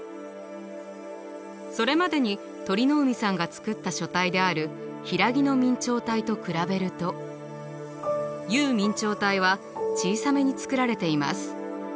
それまでに鳥海さんが作った書体であるヒラギノ明朝体と比べると游明朝体は小さめに作られています。